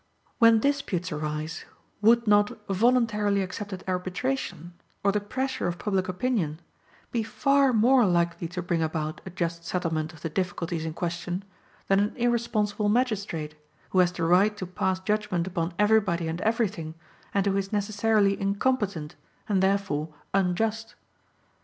When disputes arise, would not voluntarily accepted arbitration or the pressure of public opinion be far more likely to bring about a just settlement of the difficulties in question than an irresponsible magistrate, who has the right to pass judgment upon everybody and everything, and who is necessarily incompetent and therefore unjust?